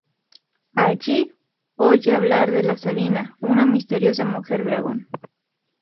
Allí oye hablar de La Sabina, una misteriosa mujer dragón.